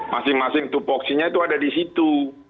masing masing tupoksinya itu ada di situ